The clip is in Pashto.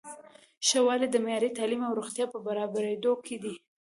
ښه والی د معیاري تعلیم او روغتیا په برابریدو کې دی.